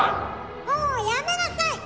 もうやめなさい！